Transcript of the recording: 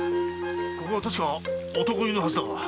ここは確か男湯のはずだが？